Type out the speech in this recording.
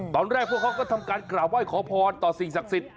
ตอนแรกพวกเขาก็ทำการกล่าวไห้ขอพรต่อสิ่งศักดิ์สิทธิ์